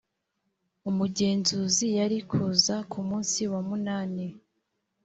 umugenzuzi yari kuza ku munsi wa munani